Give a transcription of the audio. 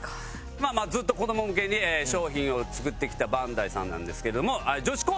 まあまあずっと子ども向けに商品を作ってきたバンダイさんなんですけども女子高生にウケるんですね。